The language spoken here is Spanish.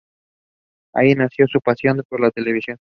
Allí nació su pasión por la televisión.